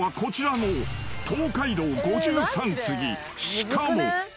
［しかも］